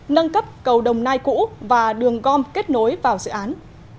nâng cấp cầu đồng nai cũ và đường gom kết nối vào dự án